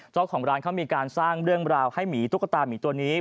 เจ้าของร้านเขามีการสร้างเรื่องราวให้หมีตุ๊กตามีตัวนี้